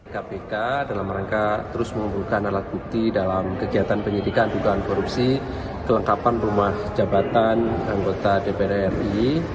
kpk dalam rangka terus mengumpulkan alat bukti dalam kegiatan penyidikan dugaan korupsi kelengkapan rumah jabatan anggota dpr ri